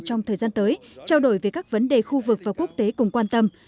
trong thời gian tới trao đổi về các vấn đề khu vực và quốc tế cùng quan tâm